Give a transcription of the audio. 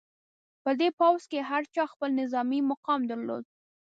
په دې پوځ کې هر چا خپل نظامي مقام درلود.